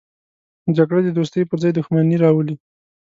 جګړه د دوستۍ پر ځای دښمني راولي